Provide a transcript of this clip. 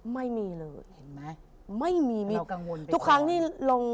พี่อินทำไมพี่อิน